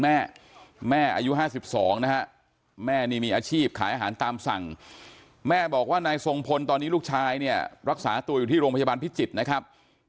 แม่แม่อายุ๕๒นะฮะแม่นี่มีอาชีพขายอาหารตามสั่งแม่บอกว่านายทรงพลตอนนี้ลูกชายเนี่ยรักษาตัวอยู่ที่โรงพยาบาลพิจิตรนะครับ